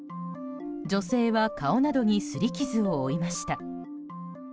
女性は顔などに擦り傷を負いました。